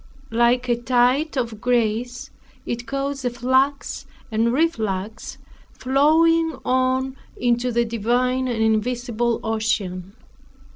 Like a tide of grace it caused a flux and reflux, flowing on into the divine and invisible ocean.